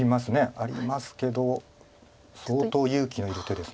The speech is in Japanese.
ありますけど相当勇気のいる手です。